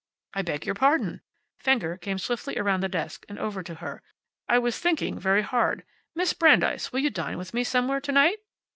"I beg your pardon!" Fenger came swiftly around the desk, and over to her. "I was thinking very hard. Miss Brandeis, will you dine with me somewhere tonight?